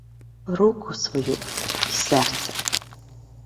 — Руку свою й серце.